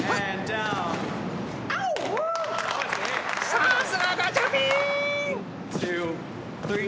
さすがガチャピン！